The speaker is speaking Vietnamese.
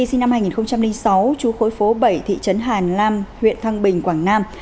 sinh năm hai nghìn sáu trú khối phố bảy thị trấn hà nam huyện thăng bình quảng nam